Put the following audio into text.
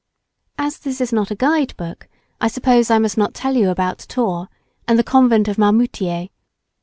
As this is not a guide book I suppose I must not tell you about Tours, and the Convent of Marmoutier.